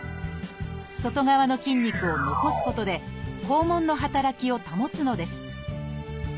外側の筋肉を残すことで肛門の働きを保つのです。